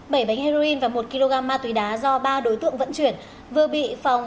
bảy bánh heroin và một kg ma túy đá do ba đối tượng vận chuyển vừa bị phòng